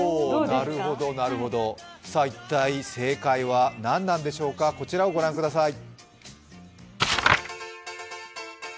なるほどなるほど、一体正解は何なんでしょうか、こちらを御覧ください。